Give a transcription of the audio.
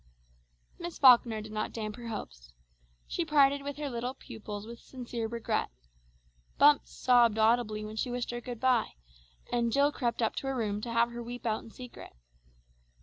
Miss Falkner did not damp her hopes. She parted with her little pupils with sincere regret. Bumps sobbed audibly when she wished her good bye, and Jill crept up to her room to have her weep out in secret.